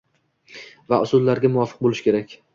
va usullariga muvofiq bo‘lishi kerak.